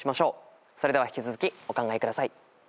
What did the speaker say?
それでは引き続きお考えください。